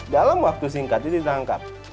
dalam waktu singkat itu ditangkap